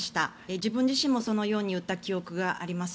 自分自身もそのように言った記憶があります。